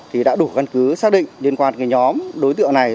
thì đã đủ căn cứ xác định liên quan cái nhóm đối tượng này